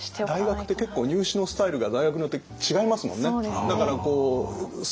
大学って結構入試のスタイルが大学によって違いますもんね。